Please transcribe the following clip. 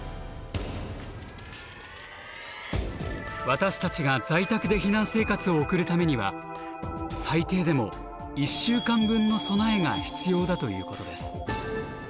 私たちが在宅で避難生活を送るためには最低でも「１週間分の備え」が必要だということです。